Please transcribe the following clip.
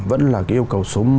vẫn là cái yêu cầu số một